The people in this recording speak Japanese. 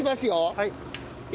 はい。